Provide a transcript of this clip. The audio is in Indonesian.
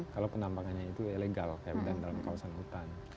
kalau penambangannya itu ilegal dan dalam kawasan hutan